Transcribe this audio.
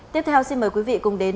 tiếp theo xin mời quý vị cùng đến